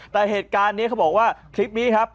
แต่เหตุการณ์นี้เขาบอกว่าคลิปนี้ครับ